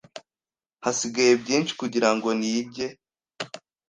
Hasigaye byinshi kugirango nige.